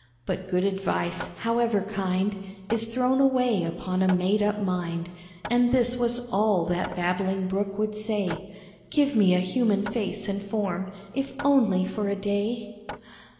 But good advice, however kind, Is thrown away upon a made up mind, And this was all that babbling Brook would say "Give me a human face and form, if only for a day!"